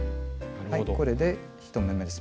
これで１目めです。